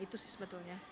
itu sih sebetulnya